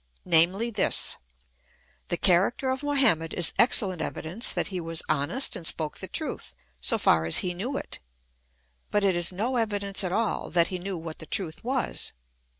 Namely this : the character of Mohammed is excellent evidence that he was honest and spoke the truth so far as he knew it ; but it is no evidence at all that he knew what the truth was.